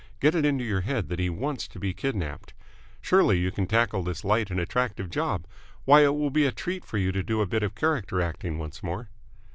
Get it into your head that he wants to be kidnapped. Surely you can tackle this light and attractive job? Why, it will be a treat for you to do a bit of character acting once more!"